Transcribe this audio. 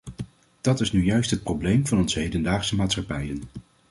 Dat is nu juist het probleem van onze hedendaagse maatschappijen.